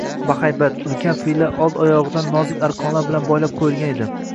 Bahaybat, ulkan fillar old oyogʻidan nozik arqonlar bilan boylab qoʻyilgan edi.